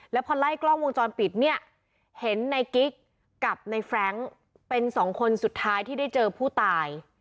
แล้วพอไล่กล้องวงจรปิดเนี่ยเห็นในกิ๊กกับในแฟรงค์เป็นสองคนสุดท้ายที่ได้เจอผู้ตาย